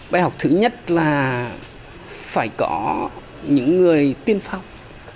bài học thứ nhất là phải có những người tiên phong